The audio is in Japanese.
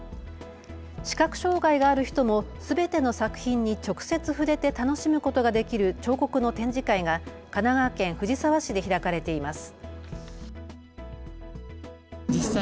視覚障害がある人もすべての作品に直接触れて楽しむことができる彫刻の展示会が神奈川県藤沢市で開かれています。